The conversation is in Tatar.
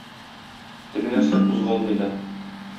Теге нәрсә кузгалмый да.